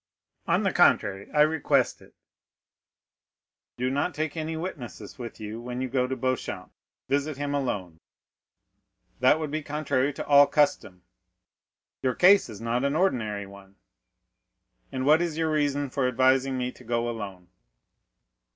"On the contrary, I request it." "Do not take any witnesses with you when you go to Beauchamp—visit him alone." "That would be contrary to all custom." "Your case is not an ordinary one." "And what is your reason for advising me to go alone?"